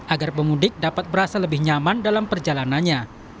agar pemudik dapat berasa lebih nyaman dalam perjalanannya